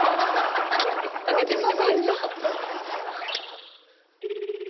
かけてみてもいいですか？